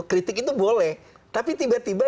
kritik itu boleh tapi tiba tiba